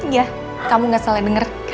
ya kamu gak salah denger